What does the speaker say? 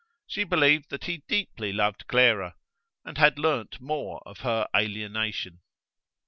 She believed that he deeply loved Clara, and had learned more of her alienation.